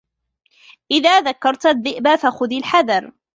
إذا ذكرت الذئب فخذ الحذر